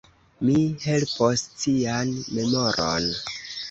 Mi helpos cian memoron.